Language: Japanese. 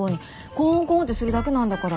コンコンってするだけなんだから。